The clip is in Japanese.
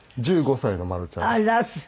１５歳のまるちゃんです。